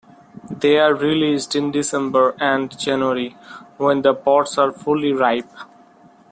They are released in December and January, when the pods are fully ripe.